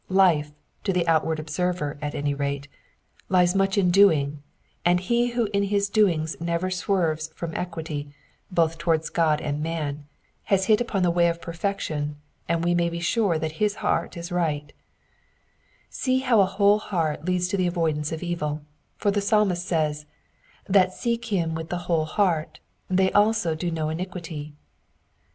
Life, to the outward observer, at any rate, lies much in doing, and he who in his doings never swerves from equity, both towards God and man, has hit upon the way of perfection, and we may be sure that his heart is right See how a whole heart leads to the avoidance of evil, for the Psalmist says, That seek him with the whole heart. They also do no iniquity."